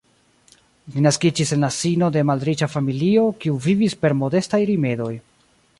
Li naskiĝis en la sino de malriĉa familio kiu vivis per modestaj rimedoj.